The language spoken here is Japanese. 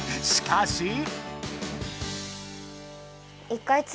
しかし。